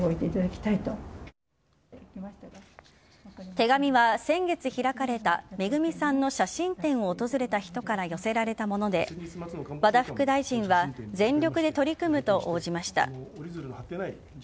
手紙は先月開かれためぐみさんの写真展を訪れた人から寄せられたもので和田副大臣は全力で取り組むと応じました。